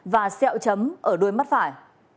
và xẹo chấm ở đuôi mắt phải